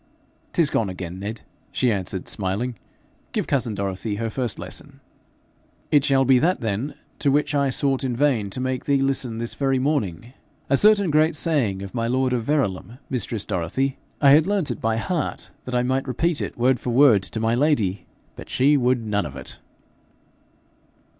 ''Tis gone again, Ned,' she answered, smiling. 'Give cousin Dorothy her first lesson.' 'It shall be that, then, to which I sought in vain to make thee listen this very morning a certain great saying of my lord of Verulam, mistress Dorothy. I had learnt it by heart that I might repeat it word for word to my lady, but she would none of it.'